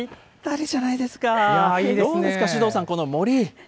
どうですか、首藤さん、この森。